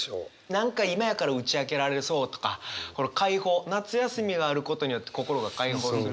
何か「今やから打ちあけられそう」とかこの開放夏休みがあることによって心が開放する。